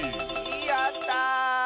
やった！